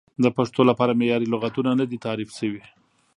د پښتو لپاره معیاري لغتونه نه دي تعریف شوي.